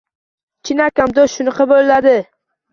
Chinakam do‘st shunaqa bo‘ladi